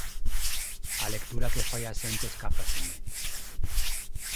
A lectura que fai a xente escápaseme.